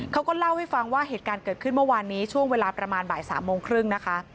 เขาก็เล่าให้ฟังว่าเหตุการณ์เกิดขึ้นเมื่อวานนี้ช่วงเวลาประมาณบ่าย๓โมงครึ่งนะคะ